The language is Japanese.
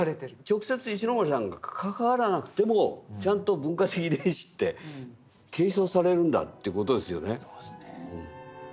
直接石森さんが関わらなくてもちゃんと文化的遺伝子って継承されるんだって事ですよね。